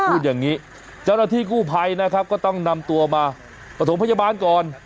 พูดอย่างนี้เจ้าหน้าที่กู้ภัยนะครับก็ต้องนำตัวมาประถมพยาบาลก่อน